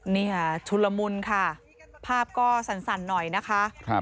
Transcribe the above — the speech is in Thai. เนี่ยชุนละมุนค่ะภาพก็สั่นหน่อยนะคะ